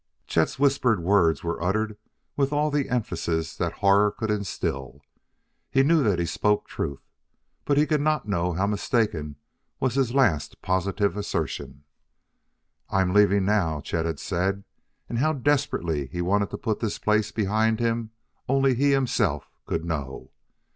Chet's whispered words were uttered with all the emphasis that horror could instill. He knew that he spoke truth. But he could not know how mistaken was his last positive assertion. "I'm leaving now!" Chet had said, and how desperately he wanted to put this place behind him only he himself could know.